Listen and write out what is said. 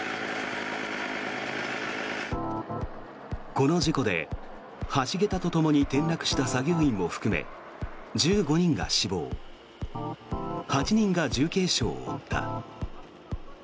この事故で橋桁とともに転落した作業員も含め１５人が死亡８人が重軽傷を負った。